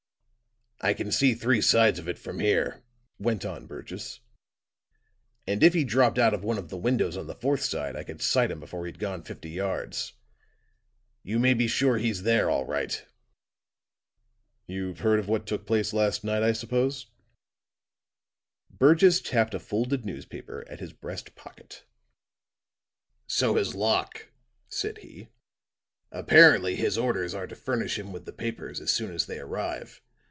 "I can see three sides of it from here," went on Burgess. "And if he dropped out of one of the windows on the fourth side I could sight him before he'd gone fifty yards. You may be sure he's there, all right." "You've heard of what took place last night, I suppose?" Burgess tapped a folded newspaper at his breast pocket. "So has Locke," said he. "Apparently his orders are to furnish him with the papers as soon as they arrive.